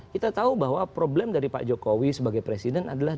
kita tahu bahwa problem dari pak jokowi sebagai presiden adalah